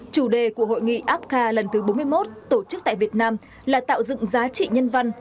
chủ đề của hội nghị apca lần thứ bốn mươi một tổ chức tại việt nam là tạo dựng giá trị nhân văn